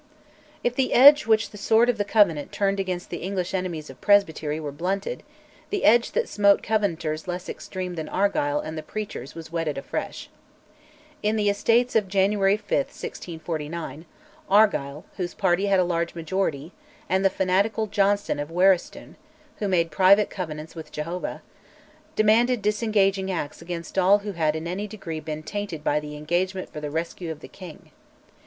If the edge which the sword of the Covenant turned against the English enemies of presbytery were blunted, the edge that smote Covenanters less extreme than Argyll and the preachers was whetted afresh. In the Estates of January 5, 1649, Argyll, whose party had a large majority, and the fanatical Johnston of Waristoun (who made private covenants with Jehovah) demanded disenabling Acts against all who had in any degree been tainted by the Engagement for the rescue of the king.